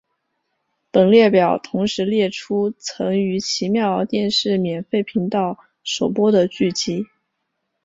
本列表同时列出曾于奇妙电视免费频道首播的剧集。